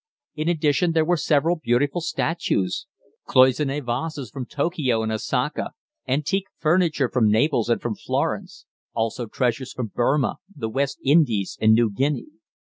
In addition there were several beautiful statues, cloisonné vases from Tokio and Osaka, antique furniture from Naples and from Florence, also treasures from Burma, the West Indies, and New Guinea.